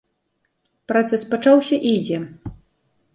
Працэс пачаўся і ідзе.